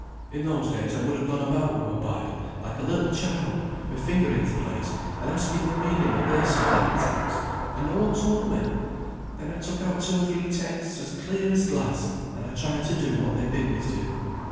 In those days I would ha' gone about wi' my Bible, like a little child, my finger in th' place, and asking the meaning of this or that text, and no one told me. Then I took out two or three texts as clear as glass, and I tried to do what they bid me do.